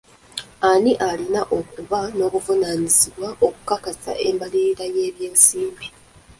Ani alina okuba n'obuvunaanyizibwa okukakasa embalirira y'ebyensimbi?